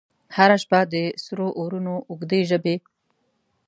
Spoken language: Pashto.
هره شپه د سرو اورونو، اوږدي ژبې،